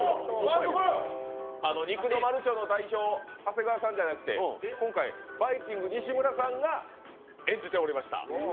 肉の丸長の代表、長谷川さんじゃなくて今回、バイきんぐ・西村さんが演じておりました。